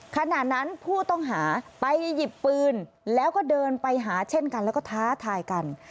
ขณะนั้นผู้ต้องหาไปหยิบปืนแล้วก็เดินไปหาเช่นกันแล้วก็ท้าทายกัน